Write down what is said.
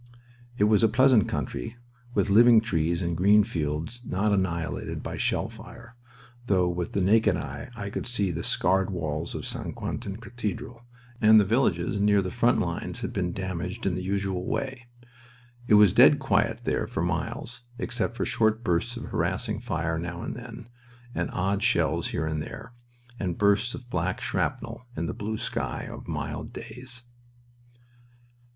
It was a pleasant country, with living trees and green fields not annihilated by shell fire, though with the naked eye I could see the scarred walls of St. Quentin cathedral, and the villages near the frontlines had been damaged in the usual way. It was dead quiet there for miles, except for short bursts of harassing fire now and then, and odd shells here and there, and bursts of black shrapnel in the blue sky of mild days.